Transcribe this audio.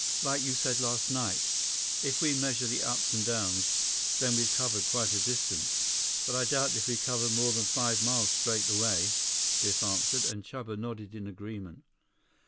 "Like you said last night. If we measure the ups and downs, then we've covered quite a distance. But I doubt if we've covered more than five miles straight away," Biff answered, and Chuba nodded in agreement.